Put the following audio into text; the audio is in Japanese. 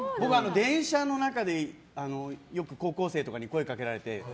電車の中で、よく高校生とかに声をかけられて。